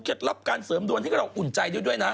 เคล็ดลับการเสริมดวนให้เราอุ่นใจด้วยนะ